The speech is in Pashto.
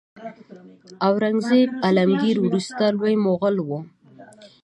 اورنګزیب عالمګیر وروستی لوی مغول و.